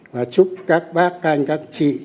và chúc các bác anh các chị